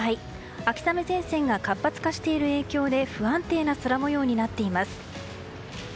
秋雨前線が活発化している影響で不安定な空模様になっています。